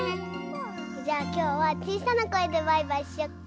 じゃあきょうはちいさなこえでバイバイしよっか？